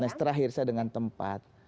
nah setelah ini saya dengan tempat